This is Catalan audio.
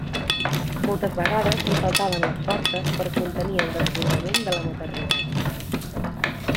Moltes vegades li faltaven les forces per a contenir el desbordament de la maternitat.